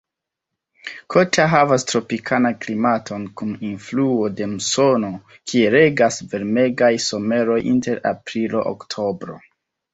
Kota havas tropikan klimaton kun influo de musono, kie regas varmegaj someroj inter aprilo-oktobro.